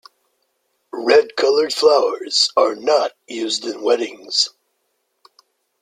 Red colored flowers are not used in weddings.